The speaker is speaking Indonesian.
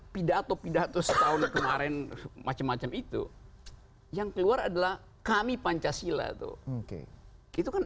pidato pidato setahun kemarin macam macam itu yang keluar adalah kami pancasila tuh oke itu kan